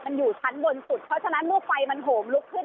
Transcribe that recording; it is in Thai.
มันอยู่ชั้นบนสุดเพราะฉะนั้นเมื่อไฟมันโหมลุกขึ้น